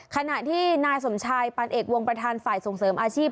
ขณะที่นายสมชายปันเอกวงประธานฝ่ายส่งเสริมอาชีพ